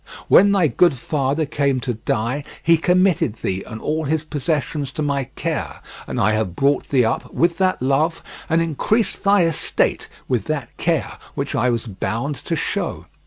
When thy good father came to die, he committed thee and all his possessions to my care, and I have brought thee up with that love, and increased thy estate with that care, which I was bound to show.